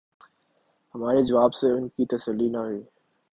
ہمارے جواب سے ان کی تسلی نہ ہوئی۔